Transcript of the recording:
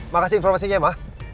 makasih informasinya ma